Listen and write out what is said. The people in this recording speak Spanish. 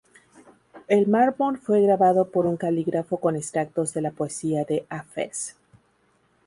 El mármol fue grabado por un calígrafo con extractos de la poesía de Hafez.